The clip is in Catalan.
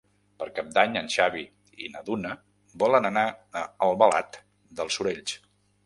Per Cap d'Any en Xavi i na Duna volen anar a Albalat dels Sorells.